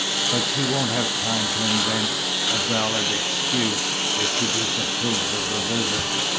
But she won't have time to invent a valid excuse, if she disapproves of the visit."